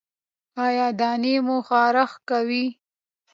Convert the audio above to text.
ایا دانې مو خارښ کوي؟